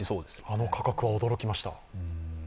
あの価格は驚きました。